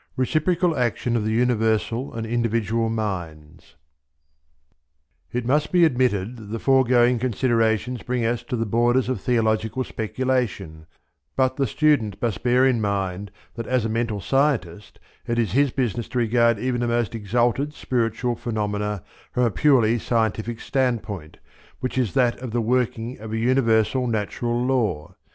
RECIPROCAL ACTION OF THE UNIVERSAL AND INDIVIDUAL MINDS. It must be admitted that the foregoing considerations bring us to the borders of theological speculation, but the student must bear in mind that as a Mental Scientist it is his business to regard even the most exalted spiritual phenomena from a purely scientific standpoint, which is that of the working of a universal natural Law.